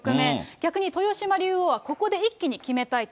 逆に豊島竜王はここで一気に決めたいと。